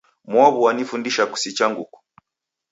Mwaw'u wanifundisha kusicha nguku.